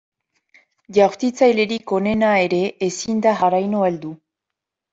Jaurtitzailerik onena ere ezin da haraino heldu.